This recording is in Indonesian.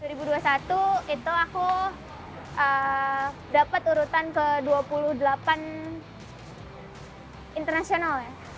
dua ribu dua puluh satu itu aku dapat urutan ke dua puluh delapan internasional ya